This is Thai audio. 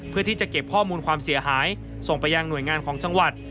เพื่อที่จะเก็บข้อมูลความเสียหายส่งไปยังหน่วยงานของจังหวัด